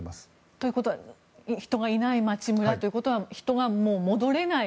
ということは人がいない街、村ということは人が戻れない。